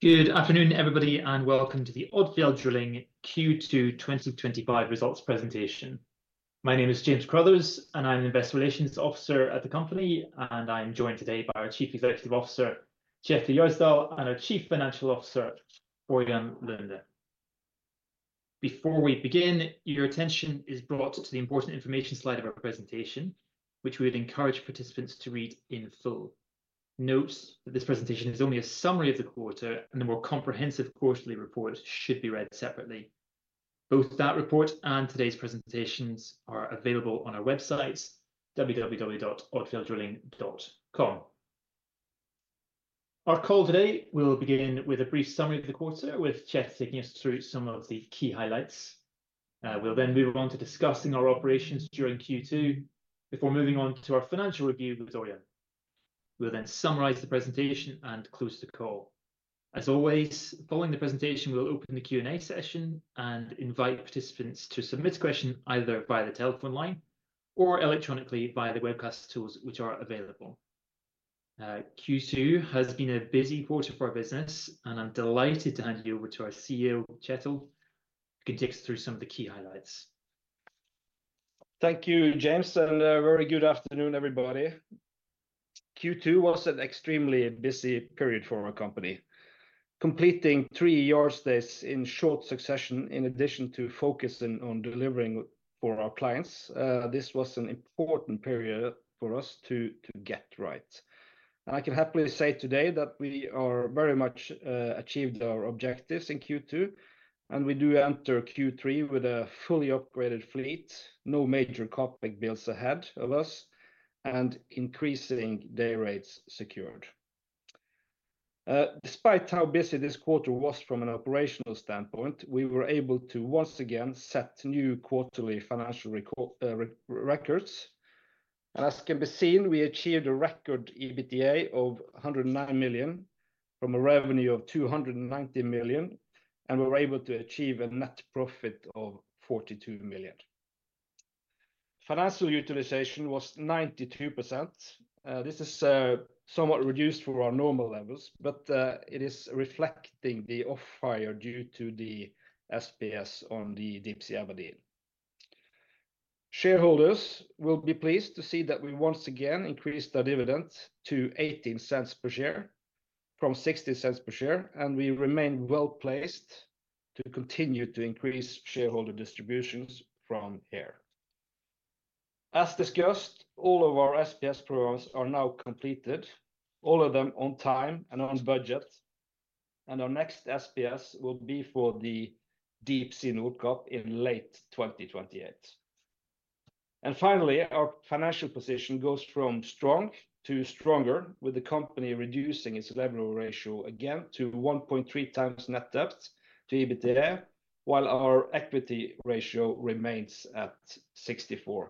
Good afternoon, everybody, and welcome to the Odfjell Drilling Q2 2025 Results Presentation. My name is James Crothers, and I'm the Investor Relations Officer at the company, and I'm joined today by our Chief Executive Officer, Kjetil Gjersdal, and our Chief Financial Officer, Ørjan Lunde. Before we begin, your attention is brought to the important information slide of our presentation, which we would encourage participants to read in full. Note that this presentation is only a summary of the quarter, and the more comprehensive quarterly report should be read separately. Both that report and today's presentations are available on our website, www.odfjelldrilling.com. Our call today will begin with a brief summary of the quarter, with Kjetil taking us through some of the key highlights. We'll then move on to discussing our operations during Q2 before moving on to our financial review with Ørjan. We'll then summarize the presentation and close the call. As always, following the presentation, we'll open the Q&A session and invite participants to submit a question either via the telephone line or electronically via the webcast tools which are available. Q2 has been a busy quarter for our business, and I'm delighted to hand you over to our CEO, Kjetil, who can take us through some of the key highlights. Thank you, James, and a very good afternoon, everybody. Q2 was an extremely busy period for our company, completing three SPS in short succession, in addition to focusing on delivering for our clients. This was an important period for us to get right. I can happily say today that we very much achieved our objectives in Q2, and we do enter Q3 with a fully upgraded fleet, no major CapEx bills ahead of us, and increasing day rates secured. Despite how busy this quarter was from an operational standpoint, we were able to once again set new quarterly financial records, and as can be seen, we achieved a record EBITDA of $109 million from a revenue of $290 million, and we were able to achieve a net profit of $42 million. Financial utilization was 92%. This is somewhat reduced from our normal levels, but it is reflecting the off-hire due to the SPS on the Deepsea Aberdeen. Shareholders will be pleased to see that we once again increased our dividend to $0.18 per share from $0.60 per share, and we remain well-placed to continue to increase shareholder distributions from here. As discussed, all of our SPS for us are now completed, all of them on time and on budget, and our next SPS will be for the Deepsea Nordkapp in late 2028. Finally, our financial position goes from strong to stronger, with the company reducing its leverage ratio again to 1.3x net debt/EBITDA, while our equity ratio remains at 64%.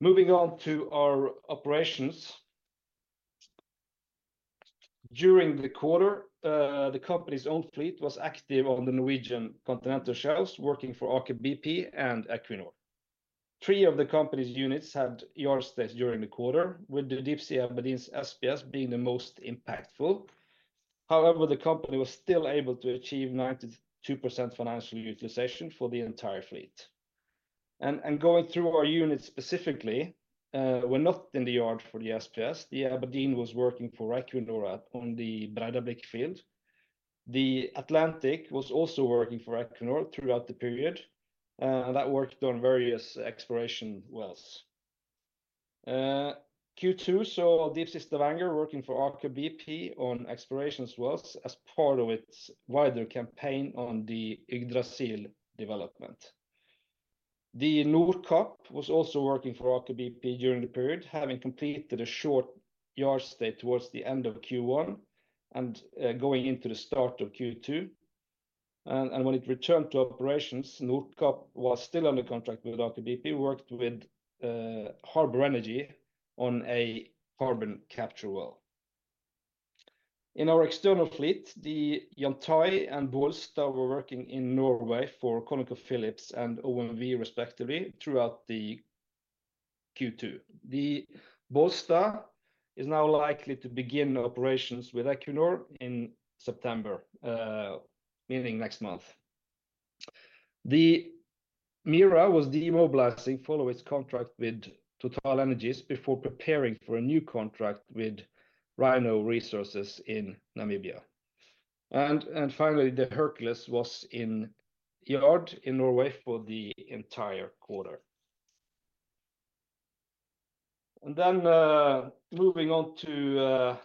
Moving on to our operations. During the quarter, the company's own fleet was active on the Norwegian Continental Shelf, working for Aker BP and Equinor. Three of the company's units had yard stays during the quarter, with the Deepsea Aberdeen's SPS being the most impactful. However, the company was still able to achieve 92% financial utilization for the entire fleet. Going through our units specifically, those not in the yard for the SPS, the Aberdeen was working for Equinor on the Breidablikk field. The Atlantic was also working for Equinor throughout the period, and that worked on various exploration wells. Q2 saw Deepsea Stavanger working for Aker BP on exploration wells as part of its wider campaign on the Yggdrasil development. The Nordkapp was also working for Aker BP during the period, having completed a short yard stay towards the end of Q1 and going into the start of Q2. When it returned to operations, Nordkapp was still under contract with Aker BP, worked with Harbour Energy on a carbon capture well. In our external fleet, the Yantai and Bollsta were working in Norway for ConocoPhillips and OMV, respectively, throughout Q2. The Bollsta is now likely to begin operations with Equinor in September, meaning next month. The Mira was demobilizing following its contract with TotalEnergies before preparing for a new contract with Rhino Resources in Namibia. Finally, the Hercules was in yard in Norway for the entire quarter. Moving on to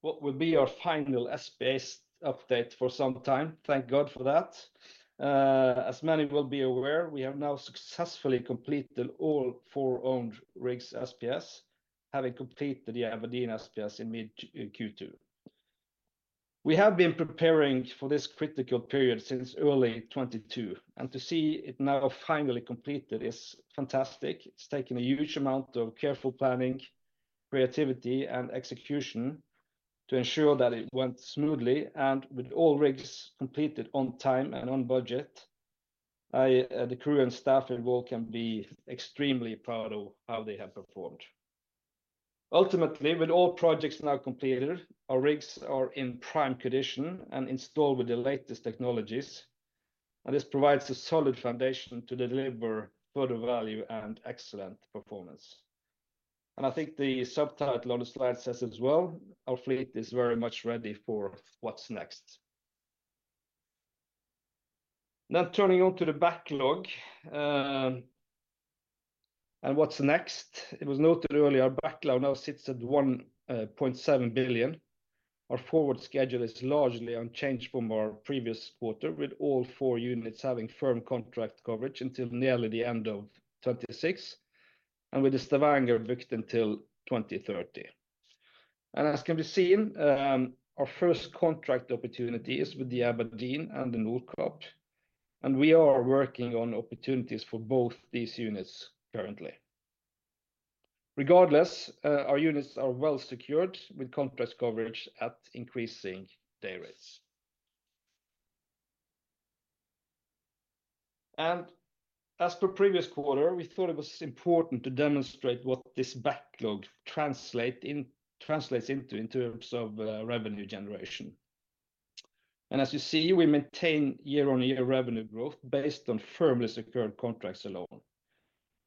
what will be our final SPS update for some time, thank God for that. As many will be aware, we have now successfully completed all four owned rigs' SPS, having completed the Aberdeen SPS in mid-Q2. We have been preparing for this critical period since early 2022, and to see it now finally completed is fantastic. It's taken a huge amount of careful planning, creativity, and execution to ensure that it went smoothly and with all rigs completed on time and on budget. The crew and staff involved can be extremely proud of how they have performed. Ultimately, with all projects now completed, our rigs are in prime condition and installed with the latest technologies, and this provides a solid foundation to deliver further value and excellent performance. I think the subtitle on the slide says as well, our fleet is very much ready for what's next. Turning on to the backlog and what's next, it was noted earlier, our backlog now sits at $1.7 billion. Our forward schedule is largely unchanged from our previous quarter, with all four units having firm contract coverage until nearly the end of 2026 and with the Stavanger booked until 2030. As can be seen, our first contract opportunity is with the Aberdeen and the Nordkapp, and we are working on opportunities for both these units currently. Regardless, our units are well secured with contracts coverage at increasing day rates. As per previous quarter, we thought it was important to demonstrate what this backlog translates into in terms of revenue generation. As you see, we maintain year-on-year revenue growth based on firmly secured contracts alone.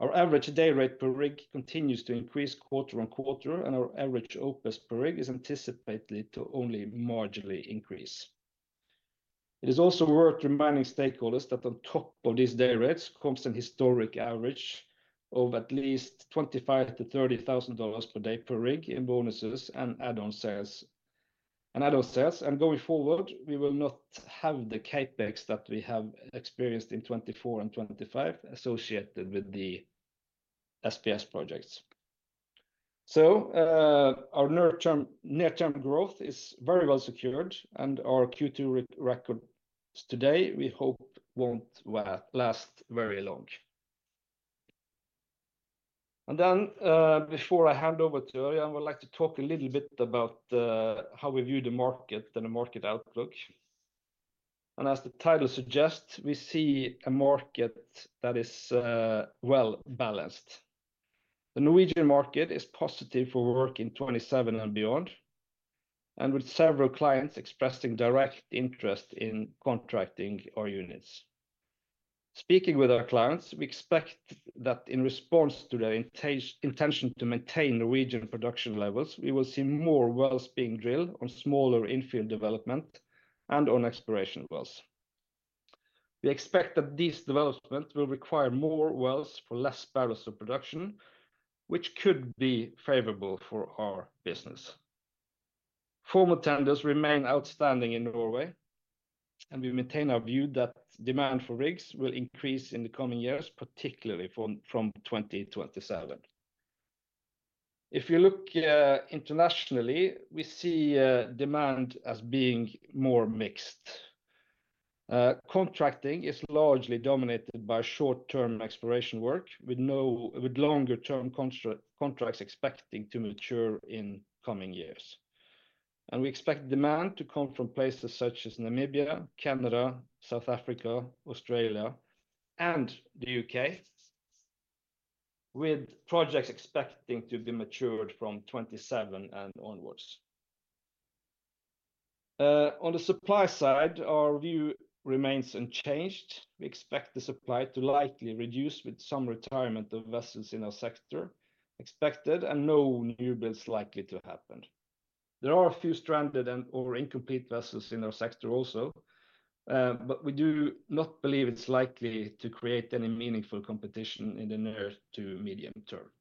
Our average day rate per rig continues to increase quarter on quarter, and our average OPS per rig is anticipated to only marginally increase. It is also worth reminding stakeholders that on top of these day rates comes an historic average of at least $25,000-$30,000 per day per rig in bonuses and add-on sales. Add-on sales, and going forward, we will not have the CapEx that we have experienced in 2024 and 2025 associated with the SPS projects. Our near-term growth is very well secured, and our Q2 record today, we hope, won't last very long. Before I hand over to Ørjan, I would like to talk a little bit about how we view the market and the market outlook. As the title suggests, we see a market that is well balanced. The Norwegian market is positive for work in 2027 and beyond, with several clients expressing direct interest in contracting our units. Speaking with our clients, we expect that in response to their intention to maintain Norwegian production levels, we will see more wells being drilled on smaller infield development and on exploration wells. We expect that these developments will require more wells for less barrels of production, which could be favorable for our business. Formal tenders remain outstanding in Norway, and we maintain our view that demand for rigs will increase in the coming years, particularly from 2027. If you look internationally, we see demand as being more mixed. Contracting is largely dominated by short-term exploration work, with longer-term contracts expecting to mature in coming years. We expect demand to come from places such as Namibia, Canada, South Africa, Australia, and the U.K., with projects expecting to be matured from 2027 and onwards. On the supply side, our view remains unchanged. We expect the supply to likely reduce with some retirement of vessels in our sector expected, and no new builds likely to happen. There are a few stranded and/or incomplete vessels in our sector also, but we do not believe it's likely to create any meaningful competition in the near to medium term.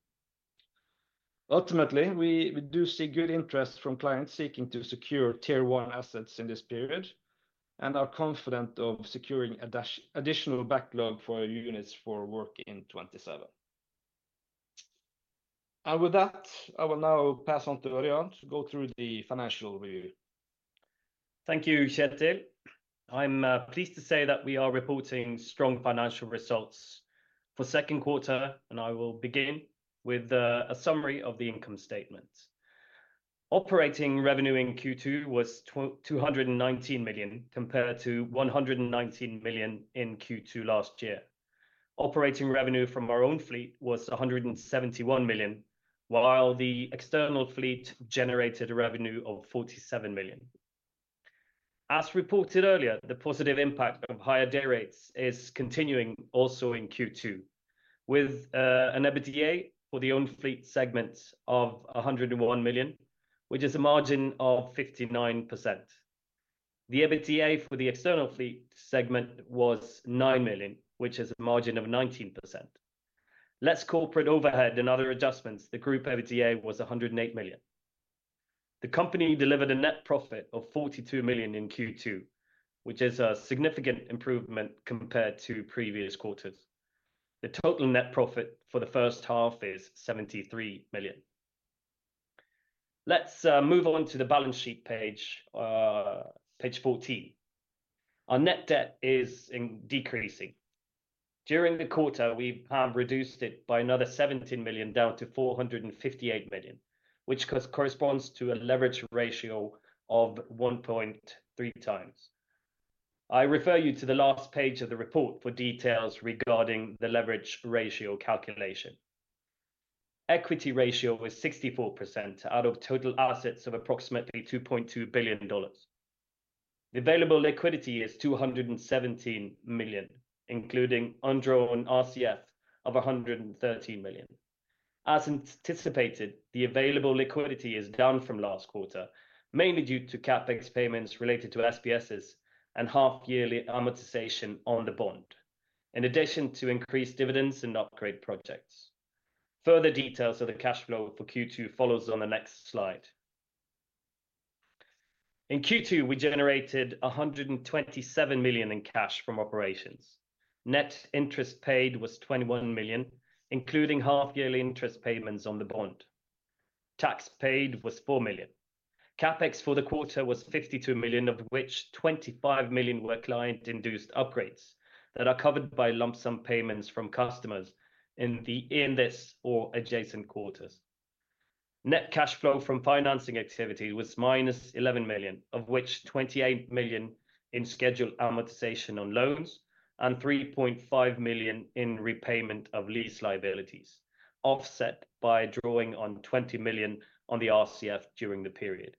Ultimately, we do see good interest from clients seeking to secure Tier 1 assets in this period and are confident of securing an additional backlog for our units for work in 2027. With that, I will now pass on to Ørjan to go through the financial review. Thank you, Kjetil. I'm pleased to say that we are reporting strong financial results for the second quarter, and I will begin with a summary of the income statements. Operating revenue in Q2 was $219 million, compared to $119 million in Q2 last year. Operating revenue from our own fleet was $171 million, while the external fleet generated a revenue of $47 million. As reported earlier, the positive impact of higher day rates is continuing also in Q2, with an EBITDA for the own fleet segment of $101 million, which is a margin of 59%. The EBITDA for the external fleet segment was $9 million, which is a margin of 19%. Less corporate overhead and other adjustments, the group EBITDA was $108 million. The company delivered a net profit of $42 million in Q2, which is a significant improvement compared to previous quarters. The total net profit for the first half is $73 million. Let's move on to the balance sheet page, page 14. Our net debt is decreasing. During the quarter, we have reduced it by another $17 million, down to $458 million, which corresponds to a leverage ratio of 1.3x. I refer you to the last page of the report for details regarding the leverage ratio calculation. The equity ratio is 64% out of total assets of approximately $2.2 billion. The available liquidity is $217 million, including undrawn RCF of $113 million. As anticipated, the available liquidity is down from last quarter, mainly due to CapEx payments related to SPSs and half-yearly amortization on the bond, in addition to increased dividends and upgrade projects. Further details of the cash flow for Q2 follow on the next slide. In Q2, we generated $127 million in cash from operations. Net interest paid was $21 million, including half-yearly interest payments on the bond. Tax paid was $4 million. CapEx for the quarter was $52 million, of which $25 million were client-induced upgrades that are covered by lump sum payments from customers in this or adjacent quarters. Net cash flow from financing activity was minus $11 million, of which $28 million in scheduled amortization on loans and $3.5 million in repayment of lease liabilities, offset by drawing on $20 million on the RCF during the period.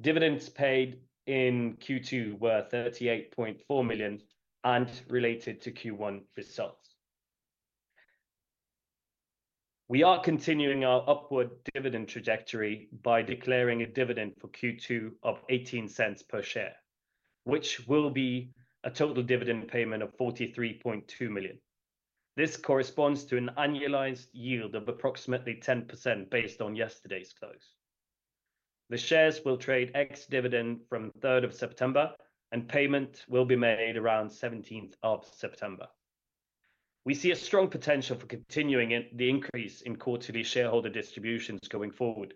Dividends paid in Q2 were $38.4 million and related to Q1 results. We are continuing our upward dividend trajectory by declaring a dividend for Q2 of $0.18 per share, which will be a total dividend payment of $43.2 million. This corresponds to an annualized yield of approximately 10% based on yesterday's close. The shares will trade ex-dividend from 3rd of September, and payment will be made around 17th of September. We see a strong potential for continuing the increase in quarterly shareholder distributions going forward,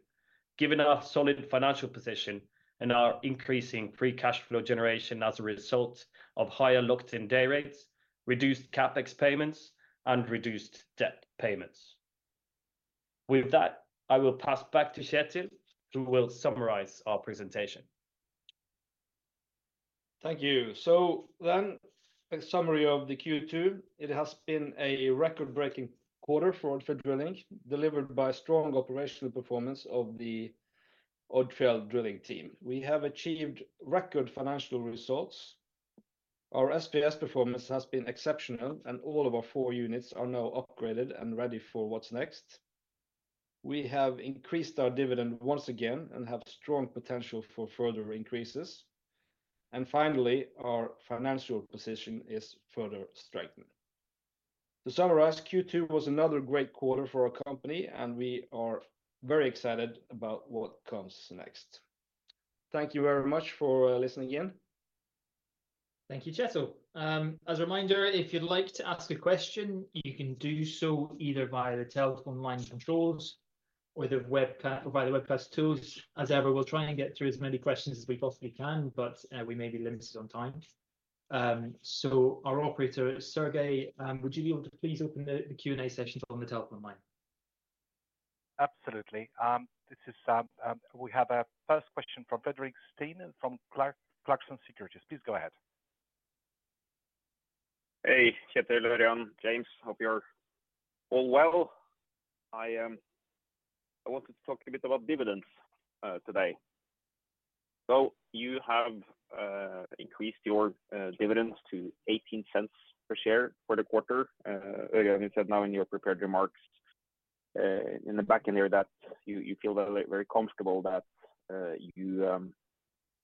given our solid financial position and our increasing free cash flow generation as a result of higher locked-in day rates, reduced CapEx payments, and reduced debt payments. With that, I will pass back to Kjetil, who will summarize our presentation. Thank you. A summary of the Q2. It has been a record-breaking quarter for Odfjell Drilling, delivered by strong operational performance of the Odfjell Drilling team. We have achieved record financial results. Our SPS performance has been exceptional, and all of our four units are now upgraded and ready for what's next. We have increased our dividend once again and have strong potential for further increases. Finally, our financial position is further strengthened. To summarize, Q2 was another great quarter for our company, and we are very excited about what comes next. Thank you very much for listening in. Thank you, Kjetil. As a reminder, if you'd like to ask a question, you can do so either via the telephone line controls or the webcast tools. As ever, we'll try and get through as many questions as we possibly can, but we may be limited on time. Our operator, Sergei, would you be able to please open the Q&A session from the telephone line? Absolutely. We have a first question from Fredrik Stene from Clarkson Securities. Please go ahead. Hey, Kjetil, Ørjan, James, hope you're all well. I wanted to talk a bit about dividends today. You have increased your dividends to $0.18 per share for the quarter. You said now in your prepared remarks back in there that you feel very comfortable that you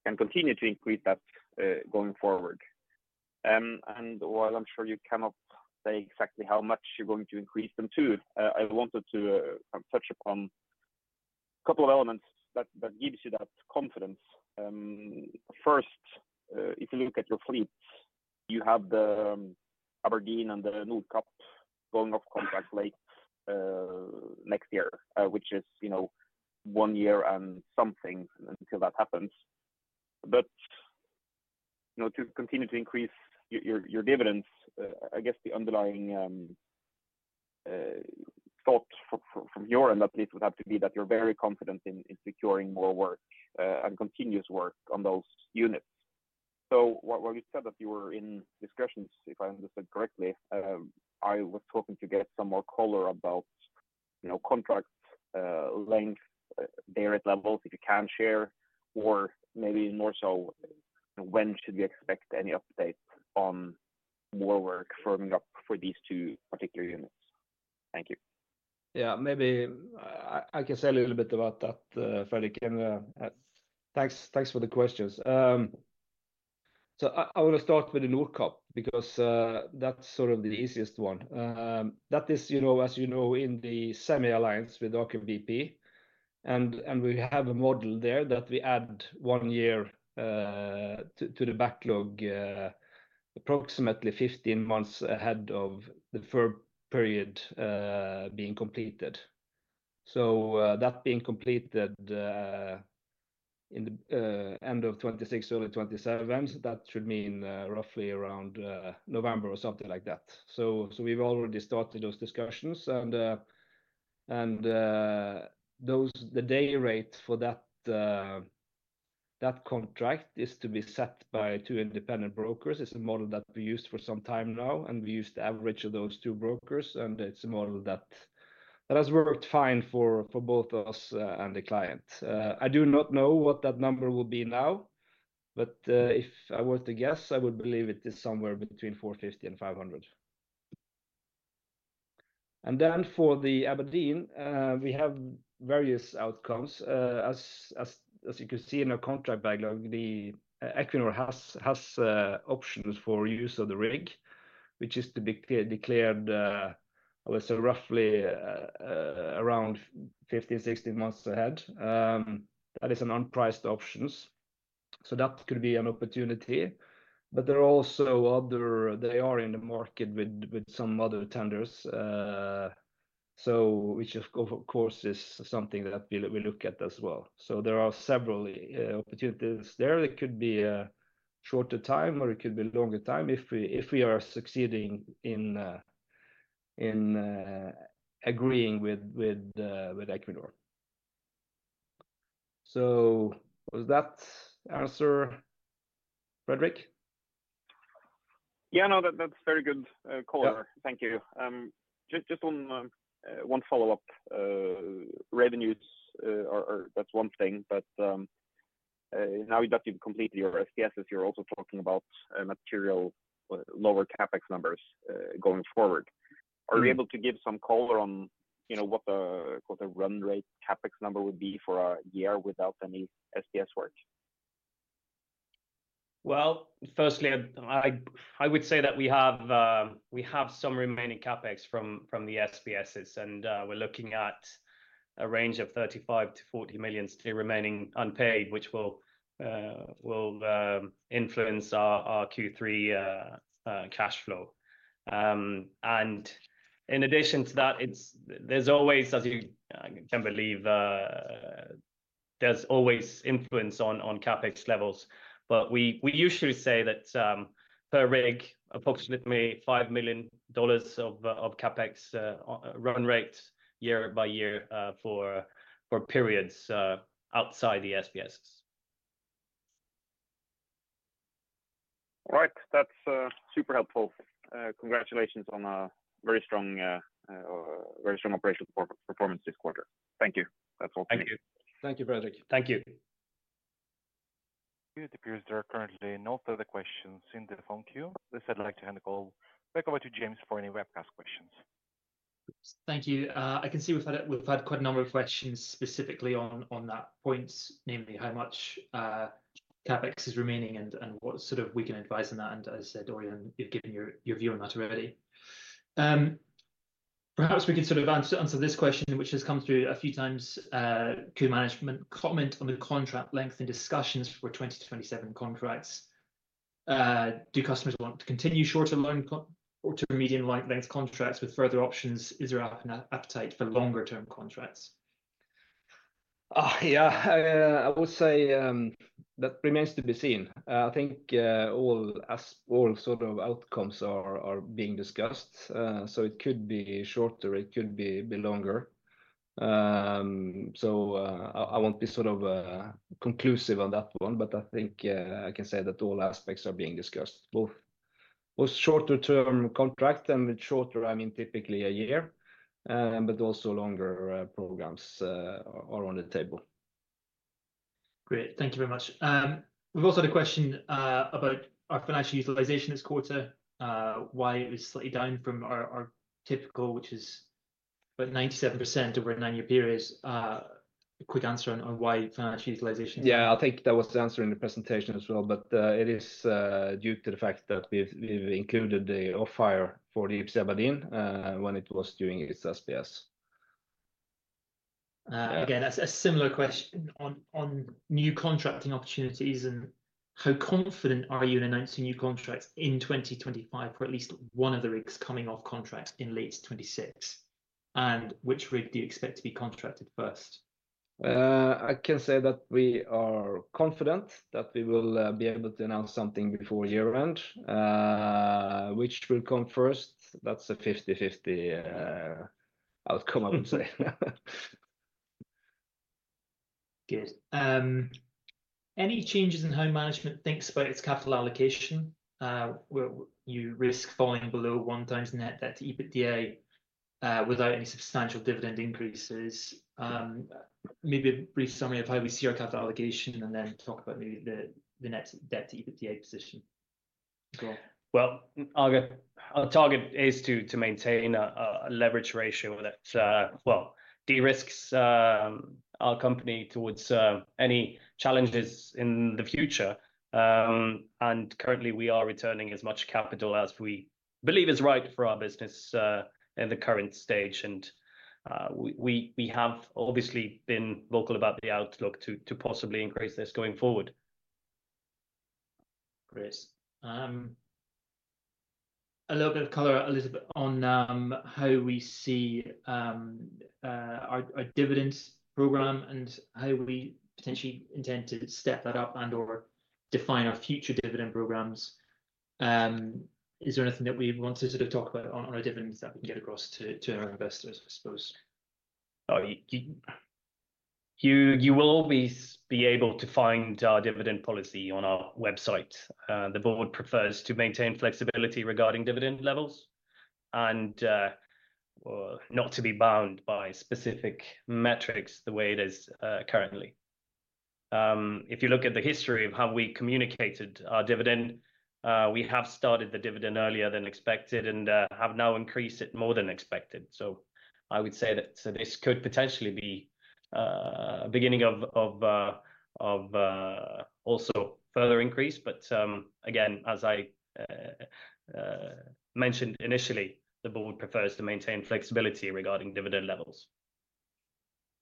can continue to increase that going forward. While I'm sure you cannot say exactly how much you're going to increase them to, I wanted to touch upon a couple of elements that give you that confidence. First, if you look at your fleet, you have the Deepsea Aberdeen and the Deepsea Nordkapp going off contract late next year, which is, you know, one year and something until that happens. To continue to increase your dividends, I guess the underlying thought from your end at least would have to be that you're very confident in securing more work and continuous work on those units. When we said that you were in discussions, if I understood correctly, I was hoping to get some more color about, you know, contract length, day rate levels, if you can share, or maybe more so, you know, when should we expect any updates on more work firming up for these two particular units? Thank you. Yeah, maybe I can say a little bit about that, Fredrik. Thanks for the questions. I want to start with the Nordkapp because that's sort of the easiest one. That is, you know, as you know, in the semi-alliance with Aker BP, and we have a model there that we add one year to the backlog, approximately 15 months ahead of the third period being completed. That being completed in the end of 2026, early 2027, that should mean roughly around November or something like that. We've already started those discussions, and the day rate for that contract is to be set by two independent brokers. It's a model that we used for some time now, and we used to average those two brokers, and it's a model that has worked fine for both us and the client. I do not know what that number will be now, but if I were to guess, I would believe it is somewhere between $450,000 and $500,000. For the Aberdeen, we have various outcomes. As you can see in our contract backlog, Equinor has options for use of the rig, which is to be declared, I would say, roughly around 15, 16 months ahead. That is an unpriced option. That could be an opportunity, but there are also others, they are in the market with some other tenders, which of course is something that we look at as well. There are several opportunities there. It could be a shorter time, or it could be a longer time if we are succeeding in agreeing with Equinor. Was that answer, Fredrik? Yeah, no, that's very good color. Thank you. Just on one follow-up, revenues, that's one thing, but now that you've completed your SPSs, you're also talking about material lower CapEx numbers going forward. Are you able to give some color on, you know, what the run-rate CapEx number would be for a year without any SPS work? Firstly, I would say that we have some remaining CapEx from the SPSs, and we're looking at a range of $35 million-$40 million still remaining unpaid, which will influence our Q3 cash flow. In addition to that, as you can believe, there's always influence on CapEx levels, but we usually say that per rig, approximately $5 million of CapEx run rate year by year for periods outside the SPSs. All right, that's super helpful. Congratulations on a very strong operational performance this quarter. Thank you. That's all. Thank you. Thank you, Fredrik. Thank you. It appears there are currently no further questions in the phone queue. With this, I'd like to hand the call back over to James for any webcast questions. Thank you. I can see we've had quite a number of questions specifically on that point, namely how much CapEx is remaining and what sort of we can advise on that. As I said, Ørjan, you've given your view on that already. Perhaps we can answer this question, which has come through a few times. Could management comment on the contract length and discussions for 2027 contracts? Do customers want to continue shorter-term or medium-length contracts with further options? Is there an appetite for longer-term contracts? Yeah, I would say that remains to be seen. I think all sort of outcomes are being discussed. It could be shorter, it could be longer. I won't be sort of conclusive on that one, but I think I can say that all aspects are being discussed, both shorter-term contracts, and with shorter, I mean typically a year, but also longer programs are on the table. Great. Thank you very much. We've also had a question about our financial utilization this quarter, why it was slightly down from our typical, which is about 97% over a nine-year period. A quick answer on why financial utilization? Yeah, I think that was the answer in the presentation as well, but it is due to the fact that we've included the off-fire for Deepsea Aberdeen when it was during its SPS. Again, a similar question on new contracting opportunities, and how confident are you in announcing new contracts in 2025 for at least one of the rigs coming off contract in late 2026? Which rig do you expect to be contracted first? I can say that we are confident that we will be able to announce something before year-end. Which will come first, that's a 50-50 outcome, I would say. Good. Any changes in how management thinks about its capital allocation? Will you risk falling below one times net debt/EBITDA without any substantial dividend increases? Maybe a brief summary of how we see our capital allocation and then talk about maybe the net debt/EBITDA position. Our target is to maintain a leverage ratio that de-risks our company towards any challenges in the future. Currently, we are returning as much capital as we believe is right for our business in the current stage. We have obviously been vocal about the outlook to possibly increase this going forward. Great. A little bit of color, a little bit on how we see our dividends program and how we potentially intend to step that up and/or define our future dividend programs. Is there anything that we want to sort of talk about on our dividends that we can get across to our investors, I suppose? You will always be able to find our dividend policy on our website. The board prefers to maintain flexibility regarding dividend levels and not to be bound by specific metrics the way it is currently. If you look at the history of how we communicated our dividend, we have started the dividend earlier than expected and have now increased it more than expected. I would say that this could potentially be a beginning of also further increase. Again, as I mentioned initially, the board prefers to maintain flexibility regarding dividend levels.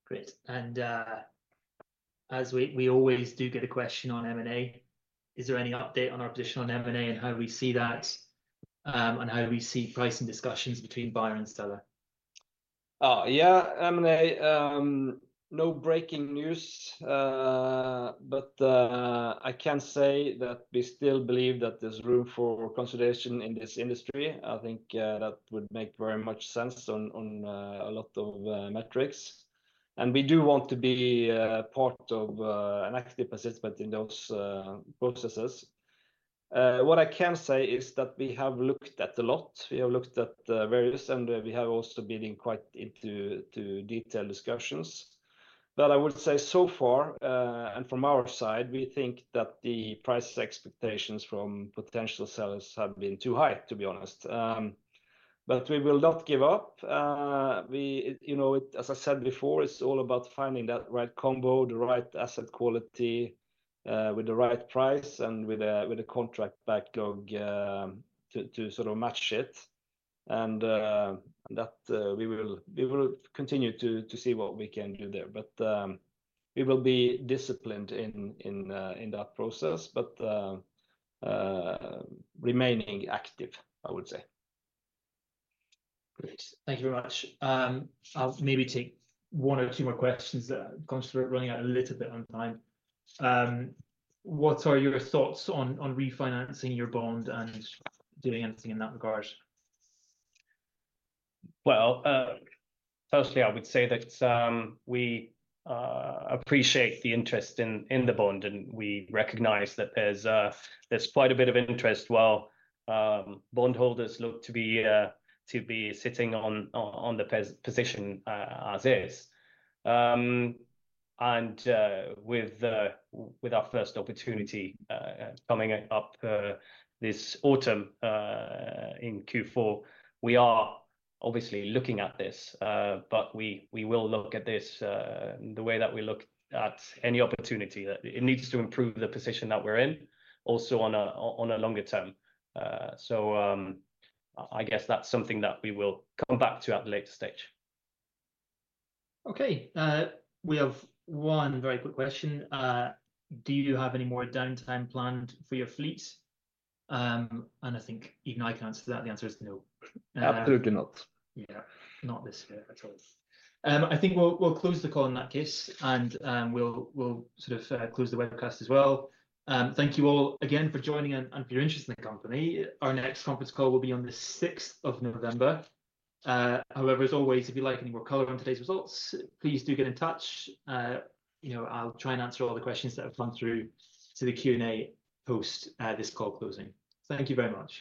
Great. As we always do get a question on M&A, is there any update on our position on M&A and how we see that and how we see pricing discussions between buyer and seller? Yeah, M&A, no breaking news, but I can say that we still believe that there's room for consideration in this industry. I think that would make very much sense on a lot of metrics. We do want to be part of an active participant in those processes. What I can say is that we have looked at a lot. We have looked at various, and we have also been quite into detailed discussions. I would say so far, and from our side, we think that the price expectations from potential sellers have been too high, to be honest. We will not give up. As I said before, it's all about finding that right combo, the right asset quality with the right price and with a contract backlog to sort of match it. We will continue to see what we can do there. We will be disciplined in that process, but remaining active, I would say. Great. Thank you very much. I'll maybe take one or two more questions. It comes to running out a little bit on time. What are your thoughts on refinancing your bond and doing anything in that regard? Firstly, I would say that we appreciate the interest in the bond, and we recognize that there's quite a bit of interest while bondholders look to be sitting on the position as is. With our first opportunity coming up this autumn in Q4, we are obviously looking at this, but we will look at this the way that we look at any opportunity. It needs to improve the position that we're in, also on a longer term. I guess that's something that we will come back to at a later stage. Okay. We have one very quick question. Do you have any more downtime planned for your fleet? I think even I can answer that. The answer is no. Absolutely not. Not this year at all. I think we'll close the call in that case, and we'll sort of close the webcast as well. Thank you all again for joining and for your interest in the company. Our next conference call will be on the 6th of November. However, as always, if you'd like any more color on today's results, please do get in touch. I'll try and answer all the questions that have flown through to the Q&A post this call closing. Thank you very much.